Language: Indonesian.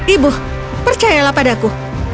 ibu percayalah padaku